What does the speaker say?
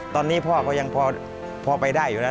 ตอนนี้พ่อเขายังพอไปได้อยู่นะ